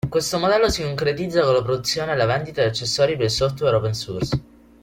Questo modello si concretizza con la produzione e la vendita di accessori per il software open source.